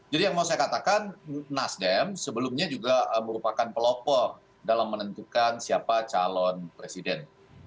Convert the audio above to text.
jadi yang mau saya katakan nasdem sebelumnya juga merupakan pelopor dalam menentukan siapa calon presiden